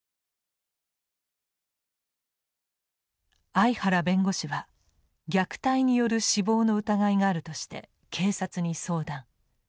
相原弁護士は虐待による死亡の疑いがあるとして警察に相談。